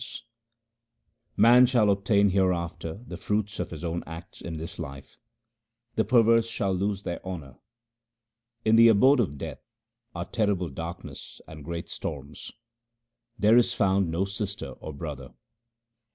1 His body, the microcosm. HYMNS OF GURU AMAR DAS 217 Man shall obtain hereafter the fruits of his own acts in this life ; the perverse shall lose their honour. In the abode of Death are terrible darkness and great storms ; there is found no sister or brother.